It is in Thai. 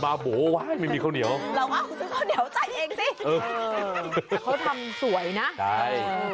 ถ้าไปที่นี่คุณอย่ารืมซื้อกลับมาซิ